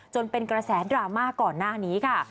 จนเป็นกระแสดราม่าก่อนหน้านี้ค่ะ